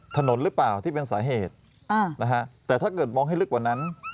ถนนหรือเปล่าที่เป็นสาเหตุนะฮะแต่ถ้าเกิดมองให้ลึกกว่านั้น